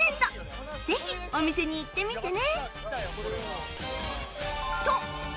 ぜひお店に行ってみてね